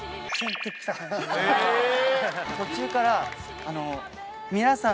途中から。